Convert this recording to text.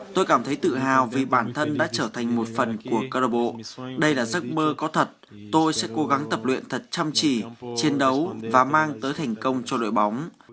tôi cảm thấy tự hào vì bản thân đã trở thành một phần của câu lạc bộ đây là giấc mơ có thật tôi sẽ cố gắng tập luyện thật chăm chỉ chiến đấu và mang tới thành công cho đội bóng